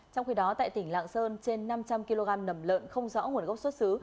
trong khi đó tại tỉnh lạng sơn trên năm trăm linh kg nầm lợn không rõ nguồn gốc xuất xứ